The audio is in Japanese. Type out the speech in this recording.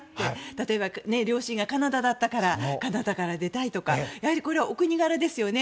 例えば、両親がカナダだったからカナダから出たいとかお国柄ですよね。